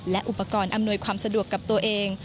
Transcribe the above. และอุปกรณ์อำนวยความสะดวกกับตัวเอง